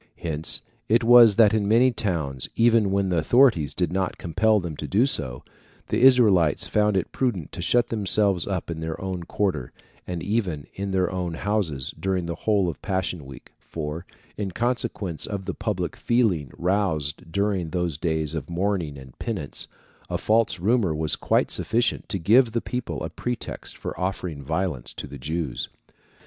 Hence it was that in many towns, even when the authorities did not compel them to do so, the Israelites found it prudent to shut themselves up in their own quarter, and even in their own houses, during the whole of Passion week; for, in consequence of the public feeling roused during those days of mourning and penance, a false rumour was quite sufficient to give the people a pretext for offering violence to the Jews.